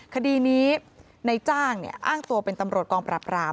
คดีนี้ในจ้างอ้างตัวเป็นตำรวจกองปราบราม